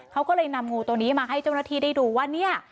เขาก็เลยนำงูตัวนี้มาให้เจ้าหน้าที่ได้ดูว่าเนี่ย